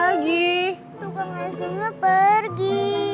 tukang es krimnya pergi